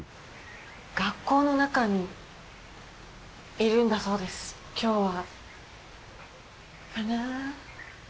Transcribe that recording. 学校の中にいるんだそうです、きょうは。